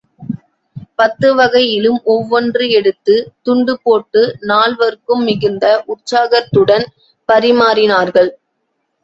பத்துவகையிலும் ஒவ்வொன்று எடுத்து, துண்டு போட்டு, நால்வர்க்கும் மிகுந்த உற்சாகத்துடன் பரிமாறினார்கள்.